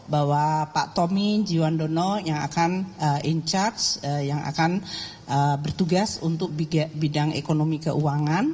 bahwa pak tommy jiwandono yang akan bertugas untuk bidang ekonomi keuangan